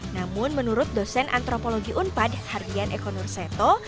namun menurut dosen antropologi unpad hardian ekonur seto